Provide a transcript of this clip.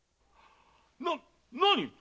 な何‼